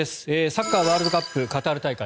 サッカーワールドカップカタール大会